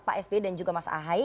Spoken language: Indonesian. pak sby dan juga mas ahaye